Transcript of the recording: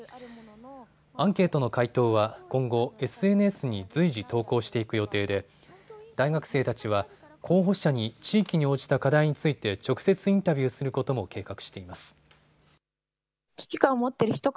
アンケートの回答は今後、ＳＮＳに随時投稿していく予定で大学生たちは候補者に地域に応じた課題について直接インタビューすることも計画しています。